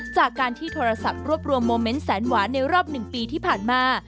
จากการที่โทรศัพท์รวบรวมโมเมนต์แสนหวานในรอบ๑ปีที่ผ่านมา